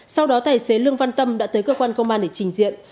sau đó tài xế lương văn tâm đã tới cơ quan công an để trình diện